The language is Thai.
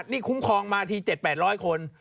นี่คุ้มครองมาที๗๘๐๐คน